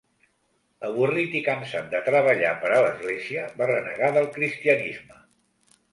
Avorrit i cansat de treballar per a l'església, va renegar del cristianisme.